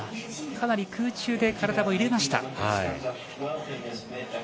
かなり空中で体を入れました。